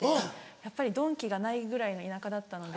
やっぱりドンキがないぐらいの田舎だったので。